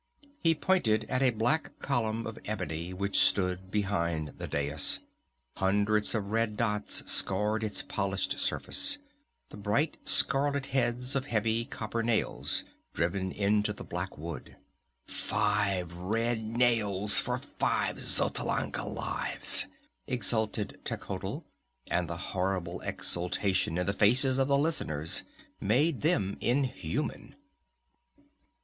He pointed at a black column of ebony which stood behind the dais. Hundreds of red dots scarred its polished surface the bright scarlet heads of heavy copper nails driven into the black wood. "Five red nails for five Xotalanca lives!" exulted Techotl, and the horrible exultation in the faces of the listeners made them inhuman.